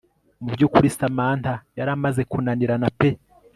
mu byukuri Samantha yari amaze kunanirana pe